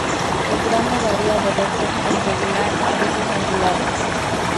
El grano varia de recto a irregular, a veces ondulado.